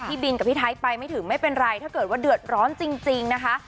บินกับพี่ไทยไปไม่ถึงไม่เป็นไรถ้าเกิดว่าเดือดร้อนจริงนะคะ